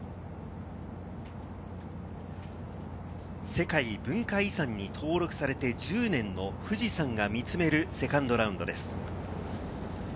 世界文化遺産に登録されて１０年の富士山が見つめるセカンドラウンドです。